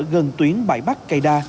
gần tuyến bãi bắc cây đa